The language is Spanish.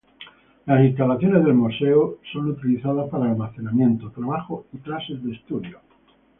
Las instalaciones del museo son utilizadas para almacenamiento, trabajo y clases de estudio.